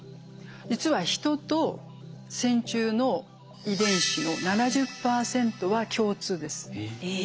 実はヒトと線虫の遺伝子の７０％は共通です。え。